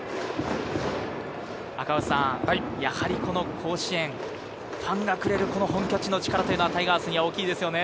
やはりこの甲子園、ファンがくれる本拠地の力というのはタイガースには大きいですよね。